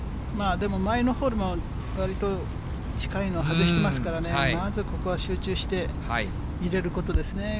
でも、前のホールも、わりと近いのを外してますからね、まずここは集中して入れることですね。